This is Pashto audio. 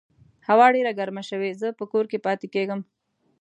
هوا ډېره ګرمه شوې، زه په کور کې پاتې کیږم